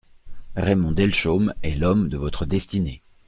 Raymond Delchaume est l'homme de votre destinée.